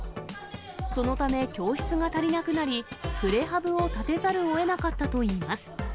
そのため教室が足りなくなり、プレハブを建てざるをえなかったといいます。